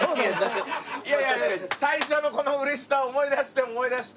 いやいや最初のこの嬉しさを思い出して思い出して。